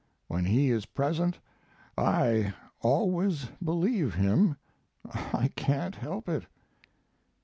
When he is present I always believe him; I can't help it.